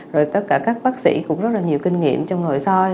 rồi tất cả các bác sĩ cũng rất là nhiều kinh nghiệm trong nội soi